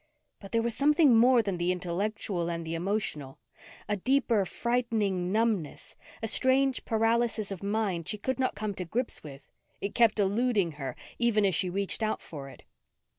But there was something more than the intellectual and the emotional; a deeper, frightening numbness; a strange paralysis of mind she could not come to grips with; it kept eluding her even as she reached out for it.